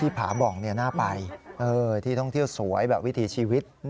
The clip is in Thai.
ผาบ่องน่าไปที่ท่องเที่ยวสวยแบบวิถีชีวิต